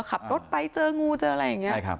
ขับรถไปเจองูเจออะไรอย่างนี้